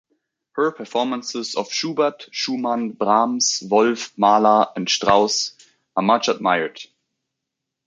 Her performances of Schubert, Schumann, Brahms, Wolf, Mahler and Strauss are much admired.